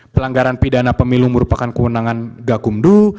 pelanggaran pidana pemilu merupakan kewenangan gakumdu